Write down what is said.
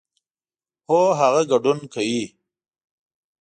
هو، هغه ګډون کوي